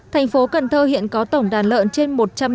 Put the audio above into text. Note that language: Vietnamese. thành phố cần thơ hiện có tổng đàn lợn trên một trăm linh